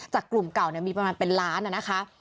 จากกลุ่มเก่าเนี่ยมีประมาณเป็นล้านอะนะคะ